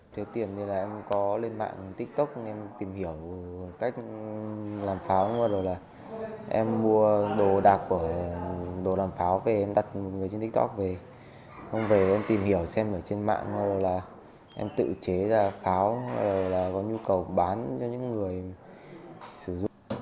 thế tiền thì là em có lên mạng tiktok em tìm hiểu cách làm pháo em mua đồ đạc của đồ làm pháo về em đặt một người trên tiktok về không về em tìm hiểu xem ở trên mạng em tự chế ra pháo có nhu cầu bán cho những người sử dụng